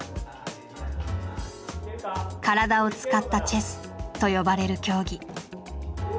「体を使ったチェス」と呼ばれる競技。